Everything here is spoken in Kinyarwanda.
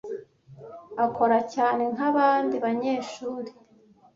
Akora cyane nkabandi banyeshuri.